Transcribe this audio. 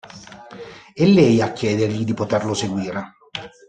È lei a chiedergli di poterlo seguire.